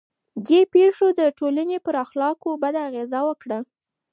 دې پېښو د ټولنې پر اخلاقو بده اغېزه وکړه.